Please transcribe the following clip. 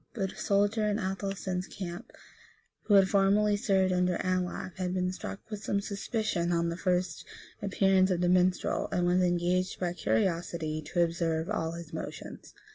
But a soldier in Athelstan's camp, who had formerly served under Anlaf, had been struck with some suspicion on the first appearance of the minstrel, and was engaged by curiosity to observe all his motions.